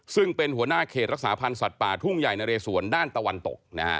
ซึ่งเป็นหัวหน้าเขตรักษาพันธ์สัตว์ป่าทุ่งใหญ่นะเรสวนด้านตะวันตก